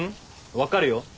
分かるよ。